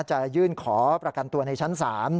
จะยื่นขอประกันตัวในชั้นศาล